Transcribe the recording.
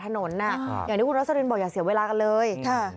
ถนนอะอย่างที่คุณรัฐสรินบ่อยอยากเสียเวลากันเลย